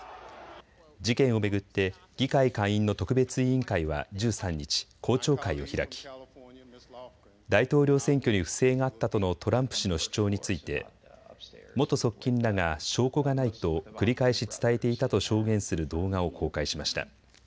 事件を巡って議会下院の特別委員会は１３日、公聴会を開き大統領選挙に不正があったとのトランプ氏の主張について元側近らが証拠がないと繰り返し伝えていたと証言する動画を公開しました。